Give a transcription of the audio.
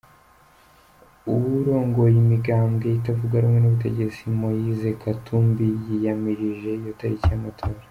Uwurongoye imigambwe itavuga rumwe n'ubutegetsi Moise Katumbi yiyamirije iyo tariki y'amatora.